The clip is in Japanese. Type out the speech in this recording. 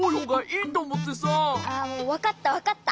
あもうわかったわかった。